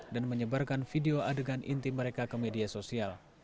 dan menyebutkan video adegan intim mereka ke media sosial